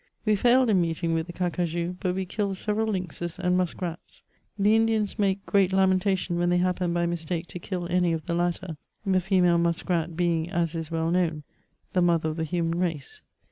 We failed in meeting with the carcajou, but we killed several lynxes and musk rats. The Indians make great lamentation when they happen by mistake to kill any of the latter; the female musk rat being, as is well known, tne mother of the human race.